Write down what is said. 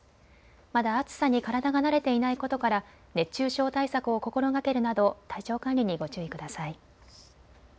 まだ暑さに体が慣れていないことから熱中症対策を心がけるなど体調管理にご注意ください。